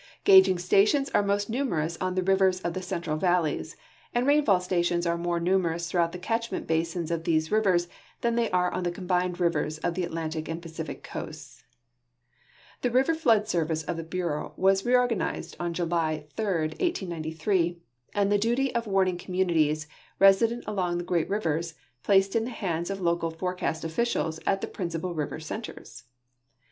Gauging stations are most numerous on the rivers of the central valleys, and rainfall sta tions are more numerous throughout the catchment liasins of these rivers than they are on the combined rivers of the Atlantic and Pacific coasts. The river flood service of the Bureau was reorganized on July 3, 1893, and the duty of warning communities resident along the great rivers i>laced in the hands of local forecast officials at the {irincipal river centers.